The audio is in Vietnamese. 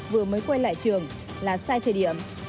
vừa mới quay lại trường là sai thời điểm